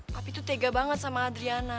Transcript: papi tuh tega banget sama adriana